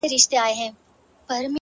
پټ کي څرگند دی _